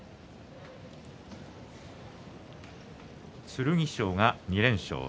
剣翔が２連勝。